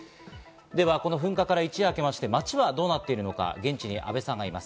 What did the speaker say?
では、噴火から一夜明けまして、街はどうなっているのか現地に阿部さんがいます。